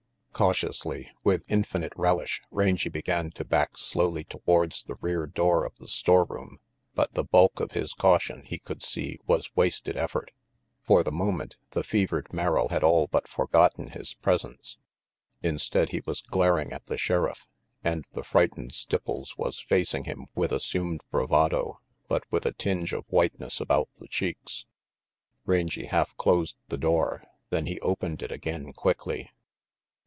Cautiously, with infinite relish, Rangy began to back slowly towards the rear door of the storeroom, but the bulk of his caution, he could see, was wasted effort. For the moment, the fevered Merrill had all but forgotten his presence. Instead, he was glaring at the sheriff, and the frightened Stipples was facing him with assumed bravado, but with a tinge of whiteness about the cheeks. Rangy half closed the door, then he opened it again quickly.